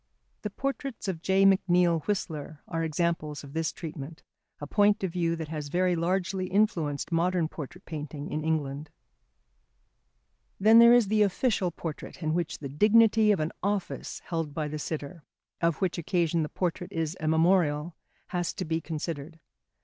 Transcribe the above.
The portraits of J. McNeill Whistler are examples of this treatment, a point of view that has very largely influenced modern portrait painting in England. Then there is the official portrait in which the dignity of an office held by the sitter, of which occasion the portrait is a memorial, has to be considered.